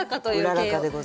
うららかでございます。